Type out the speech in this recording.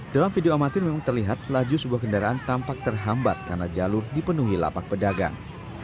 dalam video amatir memang terlihat laju sebuah kendaraan tampak terhambat karena jalur dipenuhi lapak pedagang